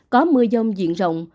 có mưa dông diện rộng